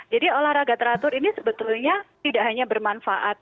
jadi olahraga teratur ini sebetulnya tidak hanya bermanfaat